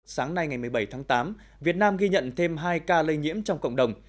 sáng nay ngày một mươi bảy tháng tám việt nam ghi nhận thêm hai ca lây nhiễm trong cộng đồng